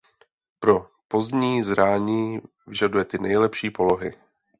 Pro pozdní zrání vyžaduje ty nejlepší polohy.